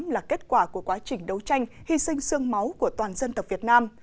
là kết quả của quá trình đấu tranh hy sinh sương máu của toàn dân tộc việt nam